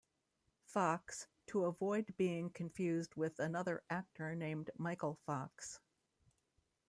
Fox, to avoid being confused with another actor named Michael Fox.